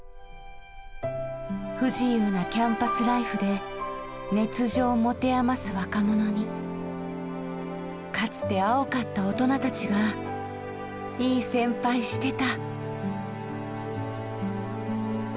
不自由なキャンパスライフで熱情もてあます若者にかつて青かった大人たちがいい先輩してた。